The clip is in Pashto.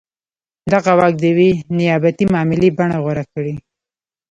دغه واک د یوې نیابتي معاملې بڼه غوره کړې.